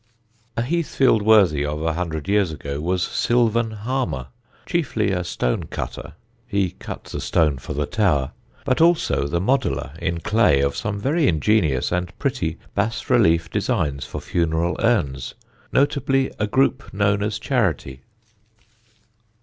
A Heathfield worthy of a hundred years ago was Sylvan Harmer, chiefly a stone cutter (he cut the stone for the tower), but also the modeller in clay of some very ingenious and pretty bas relief designs for funeral urns, notably a group known as Charity.